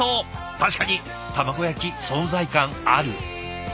確かに卵焼き存在感ある。